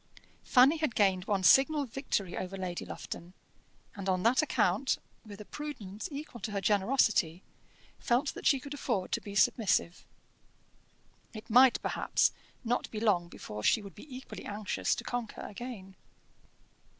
Fanny had gained one signal victory over Lady Lufton, and on that account, with a prudence equal to her generosity, felt that she could afford to be submissive. It might, perhaps, not be long before she would be equally anxious to conquer again.